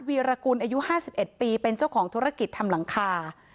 ีรกุลอายุ๕๑ปีเป็นเจ้าของธุรกิจทำหลังคา